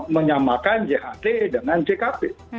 menyamakan cht dengan jkp